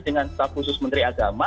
dengan staf khusus menteri agama